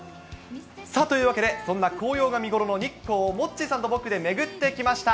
というわけで、そんな紅葉が見頃の日光をモッチーさんと僕で巡ってきました。